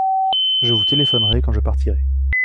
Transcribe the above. Je vous téléphonerai quand je partirai.